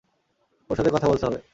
ওর সাথে কথা বলতে হবে।